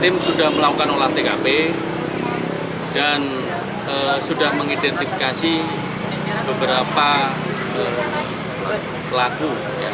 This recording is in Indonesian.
tim sudah melakukan olah tkp dan sudah mengidentifikasi beberapa pelaku